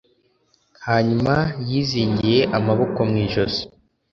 Hanyuma yizingiye amaboko mu ijosi